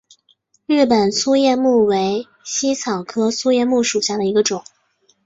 日本粗叶木为茜草科粗叶木属下的一个种。